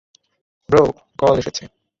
Bro, call এসেছে।